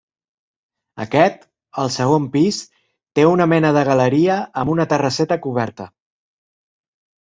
Aquest, al segon pis, té una mena de galeria amb una terrasseta coberta.